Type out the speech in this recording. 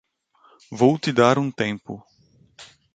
Vou te dar um tempo.